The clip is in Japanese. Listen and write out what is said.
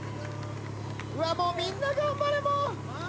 うわもうみんな頑張れ！